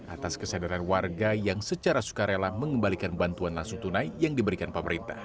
atas kesadaran warga yang secara sukarela mengembalikan bantuan langsung tunai yang diberikan pemerintah